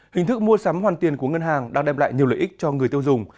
hình thức mua sắm hoàn tiền của ngân hàng đang đem lại nhiều lợi ích cho người tiêu dùng